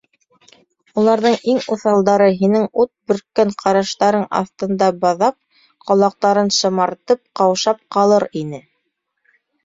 Уларҙың иң уҫалдары һинең ут бөрккән ҡараштарың аҫтында баҙап, ҡолаҡтарын шымартып ҡаушап ҡалыр ине...